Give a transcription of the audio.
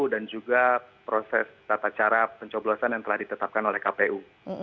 juga proses tata cara pencoblosan yang telah ditetapkan oleh kpu